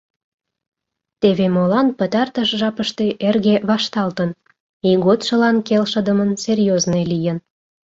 Теве молан пытартыш жапыште эрге вашталтын, ийготшылан келшыдымын серьёзный лийын...